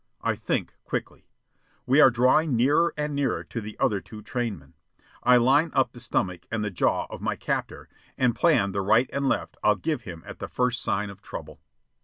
I think quickly. We are drawing nearer and nearer to the other two trainmen. I line up the stomach and the jaw of my captor, and plan the right and left I'll give him at the first sign of trouble.